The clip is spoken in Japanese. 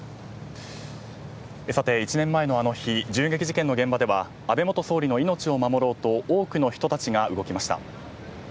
１年前のあの日銃撃事件の現場では安倍元総理の命を守ろうと多くの人たちが動きました。